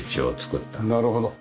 なるほど。